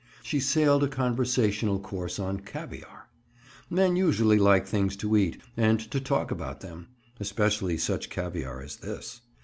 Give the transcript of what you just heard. She sailed a conversational course on caviar. Men usually like things to eat, and to talk about them, especially such caviar as this.